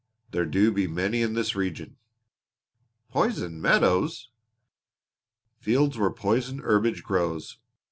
There do be many in this region." "Poisoned meadows!" "Fields where poison herbage grows.